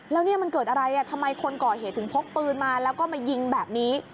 แล้วเนี่ยมันเกิดอะไรทำไมคนก่อเหตุถึงพกปืนมาแล้วก็มายิงแบบนี้